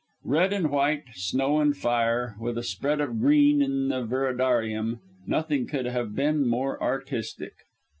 Red and white, snow and fire, with a spread of green in the viridarium nothing could have been more artistic.